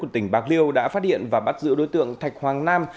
tỉnh bạc liêu đã phát hiện và bắt giữ đối tượng thạch hoàng nam